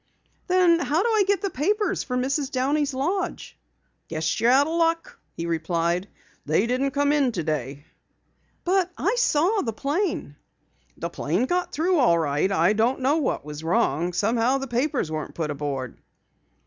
"Then how do I get the papers for Mrs. Downey's lodge?" "Guess you're out of luck," he replied. "They didn't come in today." "But I saw the plane." "The plane got through all right. I don't know what was wrong. Somehow the papers weren't put aboard."